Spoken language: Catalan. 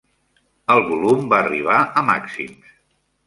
El volum va arribar a màxims.